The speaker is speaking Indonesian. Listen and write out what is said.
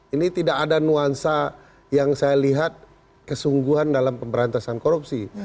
ini tidak ada nuansa yang saya lihat kesungguhan dalam pemberantasan korupsi